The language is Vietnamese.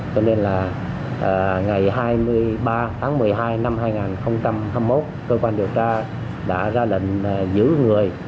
cho nên là ngày hai mươi ba tháng một mươi hai năm hai nghìn hai mươi một cơ quan điều tra đã ra lệnh giữ người